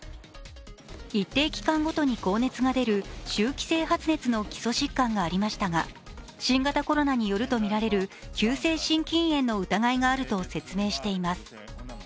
一定期間ごとに高熱が出る周期性発熱の基礎疾患がありましたが新型コロナによるとみられる急性心筋炎の疑いがあると説明しています。